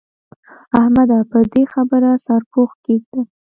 احمده! پر دې خبره سرپوښ کېږده.